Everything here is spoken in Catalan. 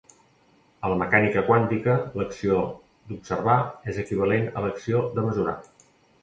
A la mecànica quàntica, l'acció d'observar és equivalent a l'acció de mesurar.